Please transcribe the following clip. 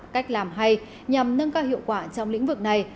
cách làm hay nhằm nâng cao hiệu quả trong lĩnh vực này